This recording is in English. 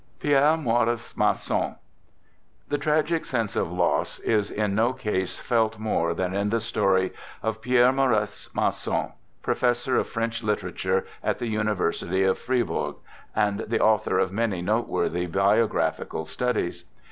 Digitized by PIERRE MAURICE MASSON The tragic sense of loss is in no case felt more than in the story of Pierre Maurice Masson, professor of French literature at the University of Fribourg, and the author of many noteworthy biographical studies.